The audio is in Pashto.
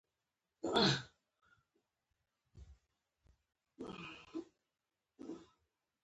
د سلطان سکندر لودي په واکمنۍ کې افغانان پیاوړي شول.